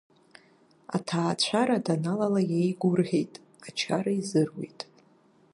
Аҭаацәара даналала иеигәырӷьеит, ачара изыруит.